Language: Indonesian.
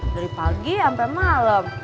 dari pagi sampe malem